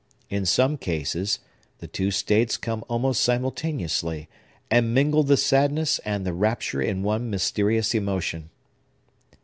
In some cases, the two states come almost simultaneously, and mingle the sadness and the rapture in one mysterious emotion."